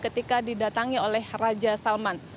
ketika didatangi oleh raja salman